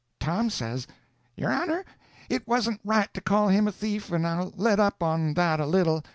Tom says: "Your honor, it wasn't right to call him a thief, and I'll let up on that a little.